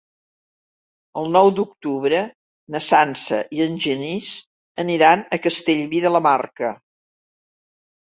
El nou d'octubre na Sança i en Genís aniran a Castellví de la Marca.